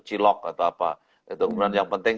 cilok atau apa yang penting